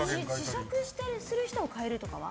試食したりする人を変えるとかは？